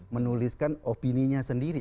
menuliskan opini nya sendiri